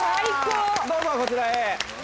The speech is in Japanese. どうぞこちらへ。